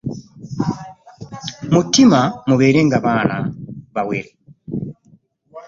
Mu ttima mubeerenga baana bawere.